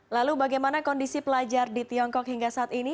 lalu bagaimana kondisi pelajar di tiongkok hingga saat ini